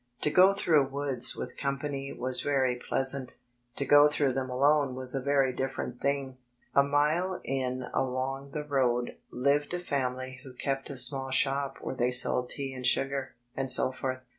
To go through woods with company was very pleasant; to go through dtem alone was a very different thing. A mile in along the road lived a family who kept a small shop where they sold tea and sugar, etc.